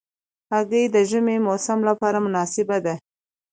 هګۍ د ژمي موسم لپاره مناسبه ده.